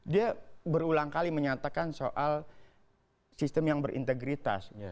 dia berulang kali menyatakan soal sistem yang berintegritas